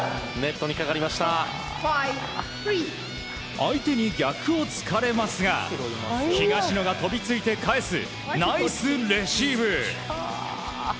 相手に逆を突かれますが東野が飛びついて返すナイスレシーブ！